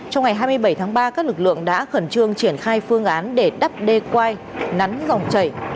trong ngày hai mươi bảy tháng ba các lực lượng đã khẩn trương triển khai phương án để đắp đê quai nắn dòng chảy